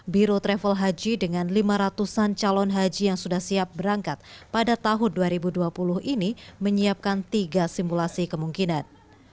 biro travel haji dengan lima ratus an calon haji yang sudah siap berangkat pada tahun dua ribu dua puluh ini menyiapkan tiga simulasi kemungkinan